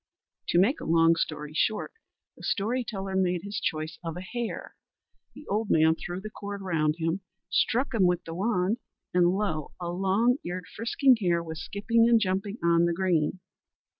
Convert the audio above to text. To make a long story short, the story teller made his choice of a hare; the old man threw the cord round him, struck him with the wand, and lo! a long eared, frisking hare was skipping and jumping on the green.